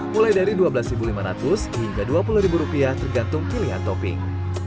mulai dari rp dua belas lima ratus hingga rp dua puluh tergantung pilihan topping